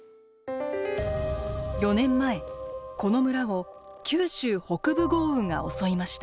４年前この村を九州北部豪雨が襲いました。